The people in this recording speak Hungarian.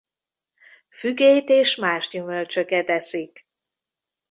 Fügét és más gyümölcsöket eszik.